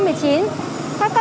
các cấp chính phủ